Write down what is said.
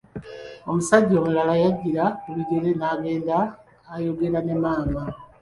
Omusajja omulala yajjira ku bigere n'agenda ayogera ne maama.